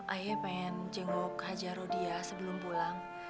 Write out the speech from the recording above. ayah pengen jenguk hajar rodia sebelum pulang